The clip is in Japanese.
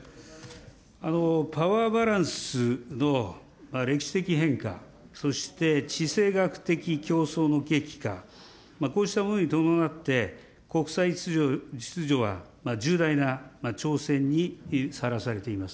パワーバランスの歴史的変化、そして地政学的競争の激化、こうしたものに伴って、国際秩序は重大な挑戦にさらされています。